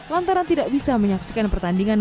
lantaran tidak bisa menyaksikan pertandingan